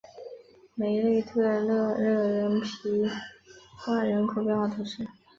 梅内特勒勒皮图瓦人口变化图示